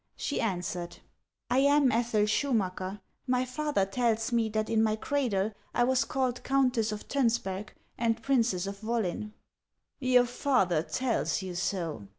She answered :" I am Ethel Schumacker. My father tells me that in my cradle I was called Countess of Tonsberg and Princess of "VVollin." "Your father tells you so!"